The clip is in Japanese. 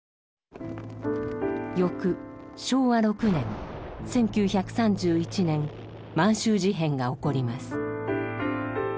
翌昭和６年１９３１年満州事変が起こります。